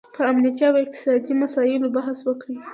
په امنیتي او اقتصادي مساییلو بحث وکړي